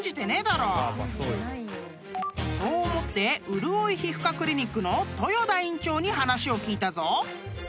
［そう思ってうるおい皮ふ科クリニックの豊田院長に話を聞いたぞ］